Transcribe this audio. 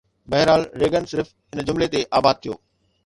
بهرحال، ريگن صرف هن جملي تي آباد ٿيو